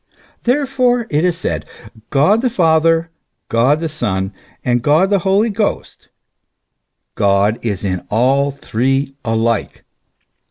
Therefore it is said : God the Father, God the Son, and God the Holy Ghost : God is in all three alike.